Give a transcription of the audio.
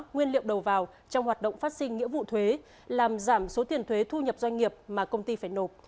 nguyên liệu đầu vào trong hoạt động phát sinh nghĩa vụ thuế làm giảm số tiền thuế thu nhập doanh nghiệp mà công ty phải nộp